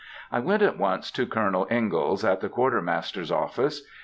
I went at once to Colonel Ingalls, at the Quartermaster's office.